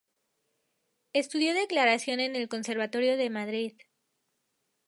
Estudió Declamación en el Conservatorio de Madrid.